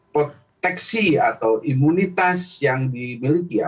proteksi atau imunitas yang dimiliki ya